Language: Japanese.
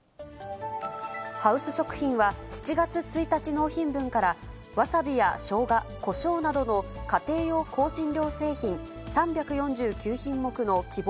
ハウス食品は、７月１日納品分からわさびやしょうが、こしょうなどの家庭用香辛料製品３４９品目の希望